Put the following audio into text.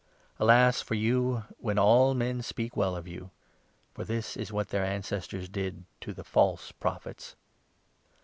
Alas for you when all men speak well of you ; for this is what 26 their ancestors did to the false Prophets.